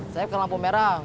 saya ke lampu merah